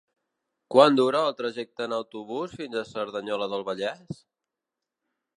Quant dura el trajecte en autobús fins a Cerdanyola del Vallès?